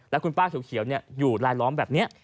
แล้วคุณป้าเขียวอยู่ลายล้อมแบบนี้